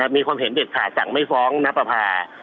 มีความเห็นเด็กขาดจังไม่ฟ้องณปภา